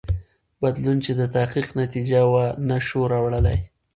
بدلون چې د تحقیق نتیجه وه نه شو راوړلای.